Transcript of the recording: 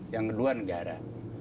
yang kedua negara